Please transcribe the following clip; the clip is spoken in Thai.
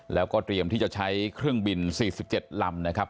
แล้วก็เตรียมที่จะใช้เครื่องบิน๔๗ลำนะครับ